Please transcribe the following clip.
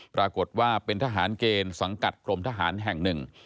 ปรากฏว่าเป็นทหารเกณฑ์สังกัดกรมทหารแห่งหนึ่ง